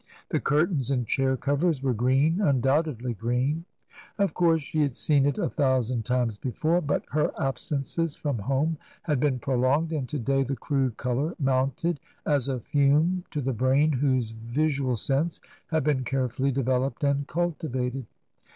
The curtains and chair covers were green, undoubtedly green. Of course she had seen it a thousand times before ; but her absences from home had been prolonged, and to day the crude colour mounted as a fume to the brain whose visual sense had been carefully developed and cultivated.